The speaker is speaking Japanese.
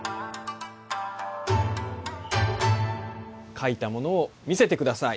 書いたものを見せてください。